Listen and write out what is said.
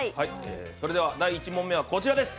それでは、第１問目はこちらです。